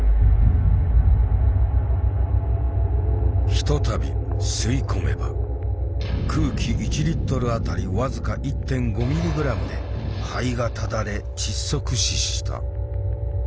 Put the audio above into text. ひとたび吸い込めば空気１あたり僅か１．５ｍｇで肺がただれ窒息死した。